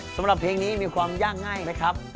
สำหรับเพลงนี้มีความยากง่ายนะครับ